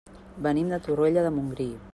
Venim de Torroella de Montgrí.